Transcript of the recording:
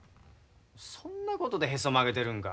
そんなことでへそ曲げてるんか。